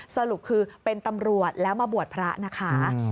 สรุปคือเป็นตำรวจแล้วมาบวชพระนะคะ